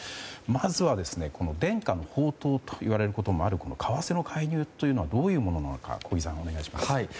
まずは伝家の宝刀といわれることもあるこの為替介入というのはどういうものなのか小木さん、お願いします。